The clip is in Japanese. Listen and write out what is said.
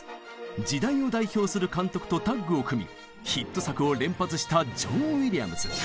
時代を代表する監督とタッグを組みヒット作を連発したジョン・ウィリアムズ。